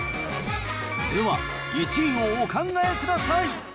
では、１位をお考えください。